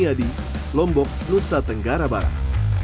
yadi lombok nusa tenggara barat